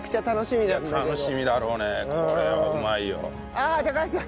ああ高橋さん。